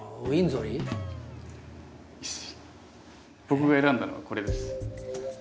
僕が選んだのはこれです。